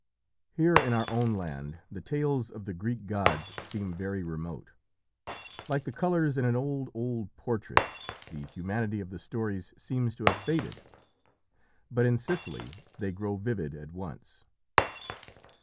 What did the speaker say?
Here in our own land the tales of the Greek gods seem very remote. Like the colours in an old, old portrait, the humanity of the stories seems to have faded. But in Sicily they grow vivid at once.